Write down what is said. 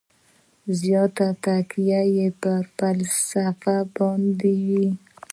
زیاته تکیه یې پر فلسفه باندې وي.